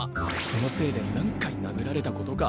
そのせいで何回殴られたことか。